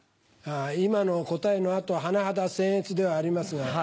今の答えの後甚だせんえつではありますが。